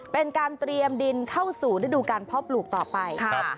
เป็นการเตรียมดินเข้าศูนย์ด้วยดูการพ่อปลูกต่อไปครับ